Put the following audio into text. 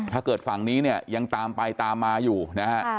ฝั่งนี้เนี่ยยังตามไปตามมาอยู่นะฮะ